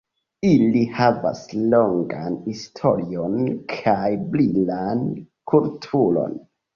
Ili havas longan historion kaj brilan kulturon.